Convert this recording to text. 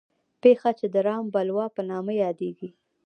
پېښه چې د رام بلوا په نامه یادېږي.